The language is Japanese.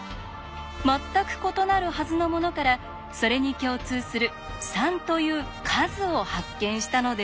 全く異なるはずのものからそれに共通する「３」という「数」を発見したのです。